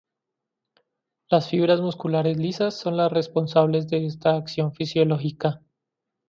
Las fibras musculares lisas son las responsables de esta acción fisiológica.